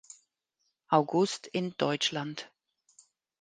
August in Deutschland.